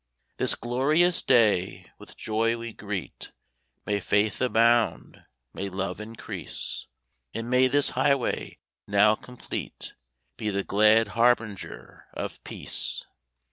This glorious day with joy we greet! May Faith abound, may Love increase, And may this highway, now complete, Be the glad harbinger of Peace!